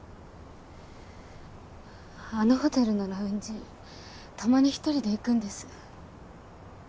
あのホテルのラウンジたまに１人で行くんです。